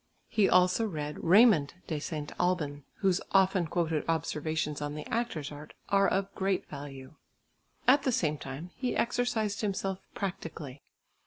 He also read Raymond de St. Albin, whose often quoted observations on the actor's art are of great value. At the same time he exercised himself practically.